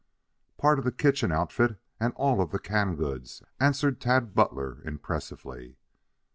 "Part of the kitchen outfit and all of the canned goods," answered Tad Butler impressively.